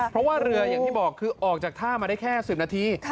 เพราะว่าเรืออย่างที่บอกคือออกจากท่ามาได้แค่๑๐นาที